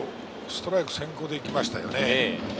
ストライク先行で行きましたよね。